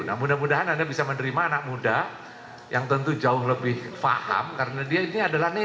nah mudah mudahan anda bisa menerima anak muda yang tentu jauh lebih paham karena dia ini adalah netiz